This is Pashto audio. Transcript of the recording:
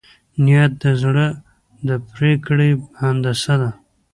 نیت د زړه د پرېکړې هندسه ده.